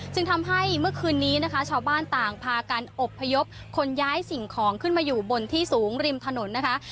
จึงทำให้เมื่อคืนนี้นะคะชาวบ้านต่างพากันอบพยพคนย้ายสิ่งของขึ้นมาอยู่บนที่สูงริมถนนนะคะ